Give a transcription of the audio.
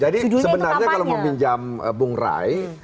jadi sebenarnya kalau meminjam bung rai